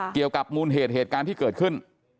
เกี่ยวกับมูลเหตุเหตุการณ์ที่เกิดขึ้น